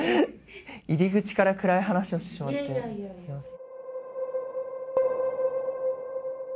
入り口から暗い話をしてしまってすみません。